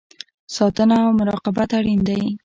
ساتنه او مراقبت اړین دی